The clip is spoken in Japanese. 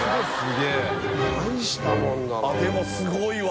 でもすごいわ。